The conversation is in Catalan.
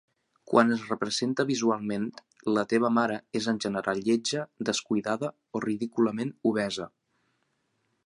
Quan es representa visualment, la "teva mare" és en general lletja, descuidada o ridículament obesa.